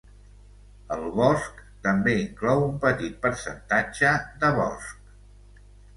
El bosc també inclou un petit percentatge de bosc.